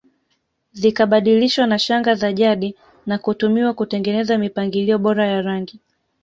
Zikabadilishwa na shanga za jadi na kutumiwa kutengeneza mipangilio bora ya rangi